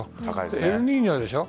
エルニーニョでしょ。